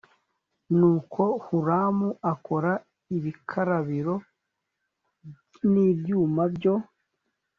nuko huramu akora ibikarabiro n ibyuma byo